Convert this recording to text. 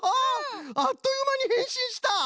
あっというまにへんしんした。